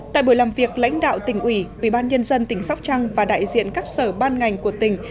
tại buổi làm việc lãnh đạo tỉnh ủy ubnd tỉnh sóc trăng và đại diện các sở ban ngành của tỉnh